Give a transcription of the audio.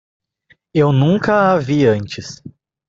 Eu nunca a vi antes.